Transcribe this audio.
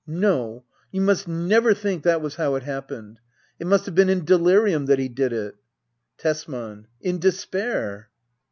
No, you must never think that was how it hap pened ! It must have been in delirium that he did it. Tesman. In despair